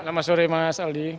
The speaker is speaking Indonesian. selamat sore mas aldi